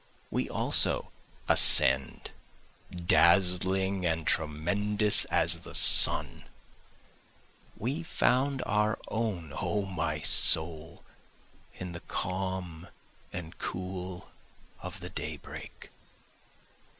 We also ascend dazzling and tremendous as the sun, We found our own O my soul in the calm and cool of the daybreak.